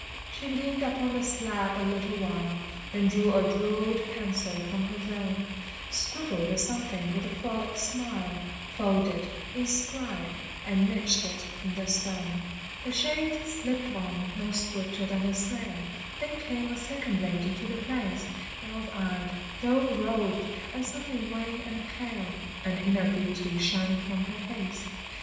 She leaned upon the slab a little while, Then drew a jewelled pencil from her zone, Scribbled a something with a frolic smile, Folded, inscribed, and niched it in the stone. The shade slipped on, no swifter than the snail; There came a second lady to the place, Dove eyed, dove robed, and something wan and pale, An inner beauty shining from her face.